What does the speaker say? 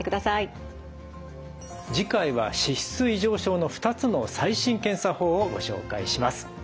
次回は脂質異常症の２つの最新検査法をご紹介します。